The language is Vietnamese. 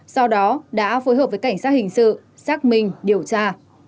sau đó đã phối hợp với cảnh sát hình sự xác minh điều tra